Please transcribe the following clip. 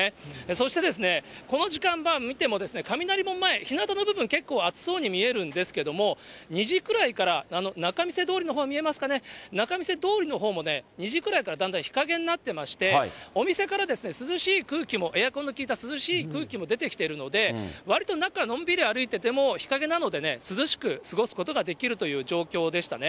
そしてですね、この時間、見ても、雷門前、ひなたの部分、結構暑そうに見えるんですけども、２時くらいから仲見世通りのほう、見えますかね、仲見世通りのほうもね、２時くらいからだんだん日陰になってまして、お店からですね、涼しい空気も、エアコンの効いた涼しい空気も出てきているので、わりと中、のんびり歩いていても、日陰なのでね、涼しく過ごすことができるという状況でしたね。